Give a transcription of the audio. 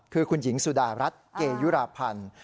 คือคุณหญิงสุดารัฐเกยุราพันธ์